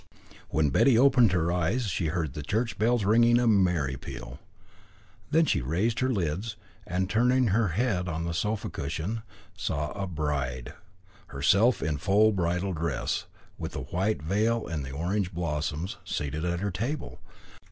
When Betty opened her eyes she heard the church bells ringing a merry peal. Then she raised her lids, and turning her head on the sofa cushion saw a bride, herself in full bridal dress, with the white veil and the orange blossoms, seated at her side.